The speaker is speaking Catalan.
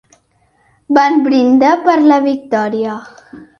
Van brindar per la victòria.